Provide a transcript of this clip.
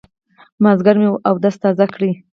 مازيګر مې اودس تازه کړ.